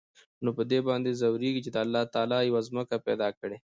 نو په دې باندې ځوريږي چې د الله تعال يوه ځمکه پېدا کړى.